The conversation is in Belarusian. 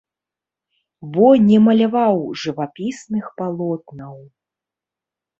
Бо не маляваў жывапісных палотнаў.